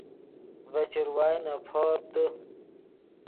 ڤے چروائے نے پورپ دے